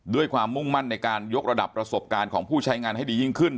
ด้วยความมุ่งมั่นในการยกระดับประสบการณ์ของผู้ใช้งานให้ดียิ่งขึ้น